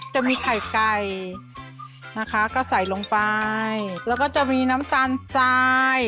จะมีไข่ไก่นะคะก็ใส่ลงไปแล้วก็จะมีน้ำตาลทราย